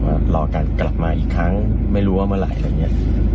รอการกลับมาอีกครั้งไม่รู้ว่าเมื่อไหร่อะไรอย่างนี้